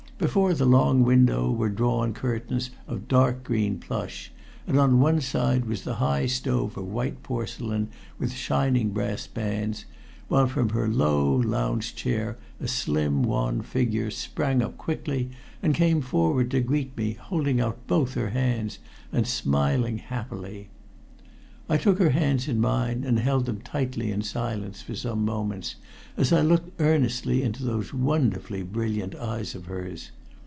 Before the long window were drawn curtains of dark green plush, and on one side was the high stove of white porcelain with shining brass bands, while from her low lounge chair a slim wan figure sprang up quickly and came forward to greet me, holding out both her hands and smiling happily. I took her hands in mine and held them tightly in silence for some moments, as I looked earnestly into those wonderfully brilliant eyes of hers.